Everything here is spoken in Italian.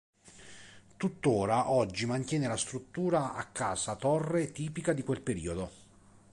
Tuttora oggi mantiene la struttura a casa-torre tipica di quel periodo.